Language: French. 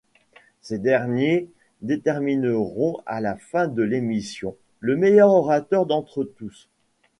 Ces derniers détermineront à la fin de l'émission, le meilleur orateur d'entre tous.